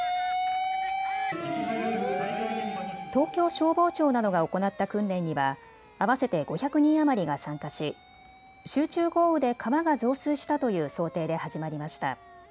東京消防庁などが行った訓練には合わせて５００人余りが参加し集中豪雨で川が増水したという想定で始まりました。